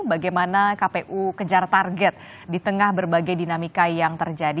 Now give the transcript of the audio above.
bagaimana kpu kejar target di tengah berbagai dinamika yang terjadi